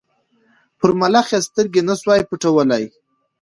پر ملخ یې سترګي نه سوای پټولای